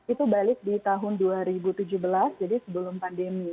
itu balik di tahun dua ribu tujuh belas jadi sebelum pandemi